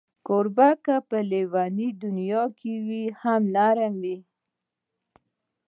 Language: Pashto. کوربه که لېونۍ دنیا وي، هم نرم وي.